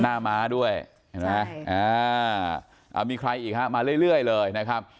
หน้าม้าด้วยเห็นไหมใช่อ่ามีใครอีกฮะมาเรื่อยเรื่อยเลยนะครับ